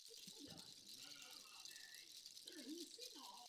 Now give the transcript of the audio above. World Science Fiction Convention.